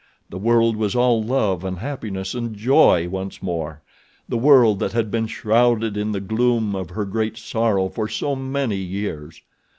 The world was all love and happiness and joy once more—the world that had been shrouded in the gloom of her great sorrow for so many years.